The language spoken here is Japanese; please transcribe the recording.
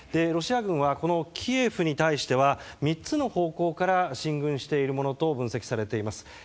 ロシア軍はこのキエフに対しては３つの方向から進軍しているものと分析されています。